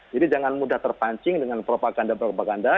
jadi jangan mudah terpancing dengan propaganda propaganda